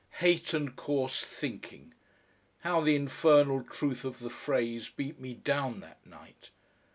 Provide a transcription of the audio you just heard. Hate and coarse thinking; how the infernal truth of the phrase beat me down that night!